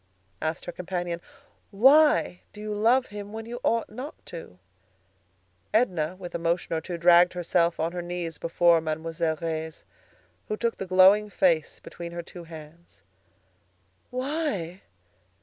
asked her companion. "Why do you love him when you ought not to?" Edna, with a motion or two, dragged herself on her knees before Mademoiselle Reisz, who took the glowing face between her two hands. "Why?